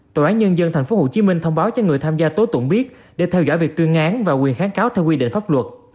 tòa án nhân dân tp hcm thông báo cho người tham gia tố tụng biết để theo dõi việc tuyên án và quyền kháng cáo theo quy định pháp luật